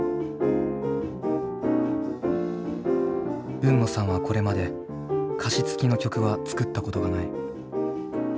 海野さんはこれまで歌詞つきの曲は作ったことがない。